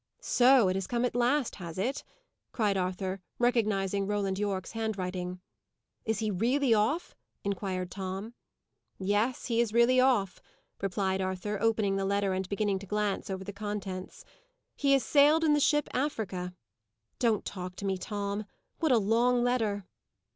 "So! it has come at last, has it?" cried Arthur, recognising Roland Yorke's handwriting. "Is he really off?" inquired Tom. "Yes, he is really off," replied Arthur, opening the letter and beginning to glance over the contents. "He has sailed in the ship Africa. Don't talk to me, Tom. What a long letter!"